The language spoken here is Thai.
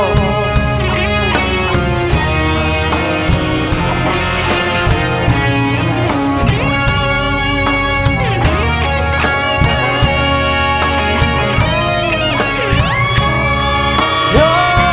ยังเพราะความสัมพันธ์